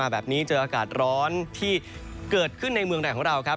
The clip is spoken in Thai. แบบนี้เจออากาศร้อนที่เกิดขึ้นในเมืองไทยของเราครับ